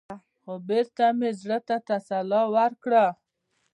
خـو بـېرته مـې زړه تـه تـسلا ورکړه.